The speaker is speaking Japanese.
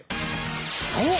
そう！